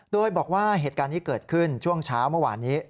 โดยบอกว่าเหตุการณ์นี้เกิดขึ้นช่วงเช้าเมื่อวานนี้